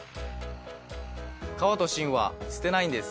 皮と芯は捨てないんです。